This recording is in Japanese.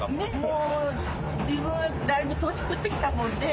もう自分だいぶ年食ってきたもんで。